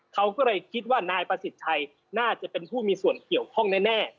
เขาก็เลยคิดว่านายประสิทธิ์ชัยน่าจะเป็นผู้มีส่วนเกี่ยวข้องแน่